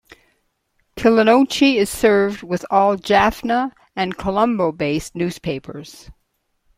Kilinochchi is served with all Jaffna- and Colombo-based newspapers.